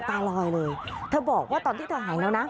ตาลอยเลยเธอบอกว่าตอนที่เธอหายแล้วนะ